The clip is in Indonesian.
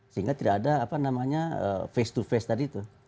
sehingga tidak ada apa namanya face to face tadi itu